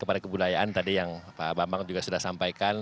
kepada kebudayaan tadi yang pak bambang juga sudah sampaikan